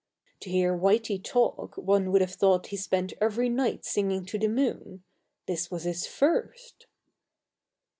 (To hear Whitey talk one would have thought he spent every night singing to the moon this was his first!)